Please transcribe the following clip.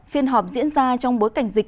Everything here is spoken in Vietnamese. phiên họp diễn ra trong bối cảnh dịch